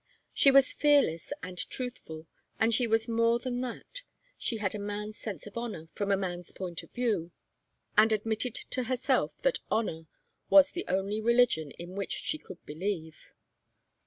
She was fearless and truthful, and she was more than that she had a man's sense of honour from a man's point of view, and admitted to herself that honour was the only religion in which she could believe.